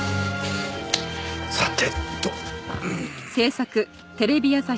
さてと。